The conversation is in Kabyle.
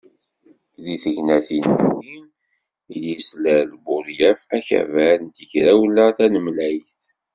Deg tegnatin-agi i d-yeslal Budyaf Akabar n Tegrawla Tanemlayt.